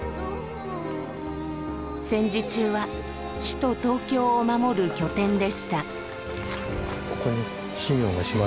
戦時中は首都・東京を守る拠点でした。